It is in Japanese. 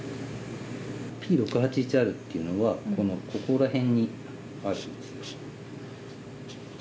Ｐ６８１Ｒというのはここら辺にある。